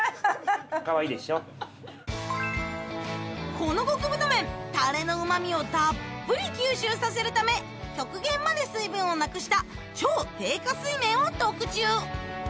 この極太麺タレのうま味をたっぷり吸収させるため極限まで水分をなくした超低加水麺を特注